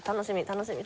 楽しみ？